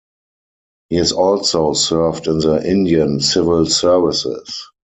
He has also served in the Indian Civil Services.